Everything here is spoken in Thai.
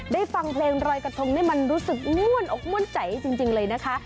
ฟังเพลงรอยกระทงนี่มันรู้สึกม่วนอกม่วนใจจริงเลยนะคะ